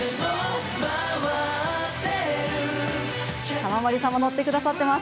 玉森さんも乗ってくださっています。